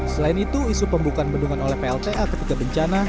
selain itu isu pembukaan bendungan oleh plta ketika bencana